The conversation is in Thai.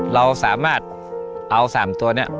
เราสามารถเอา๓ตัวนี้